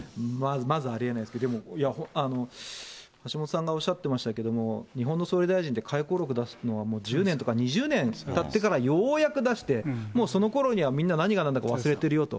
まずありえないですけど、はしもとさんがおっしゃってましたけど、日本の総理大臣って回顧録出すのはもう１０年とか２０年たってからようやく出して、もうそのころにはみんな何がなんだか忘れてるよと。